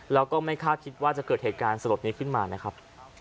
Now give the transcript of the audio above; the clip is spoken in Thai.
แล้วก็ไม่คาดคิดว่าจะเกิดเหตุการณ์สลดนี้ขึ้นมานะครับ